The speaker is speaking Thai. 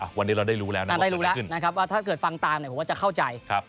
วันนี้เราได้รู้แล้วนะได้รู้แล้วนะครับว่าถ้าเกิดฟังตามเนี่ยผมว่าจะเข้าใจ